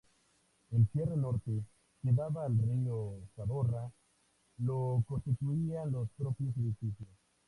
El cierre norte, que daba al río Zadorra, lo constituían los propios edificios.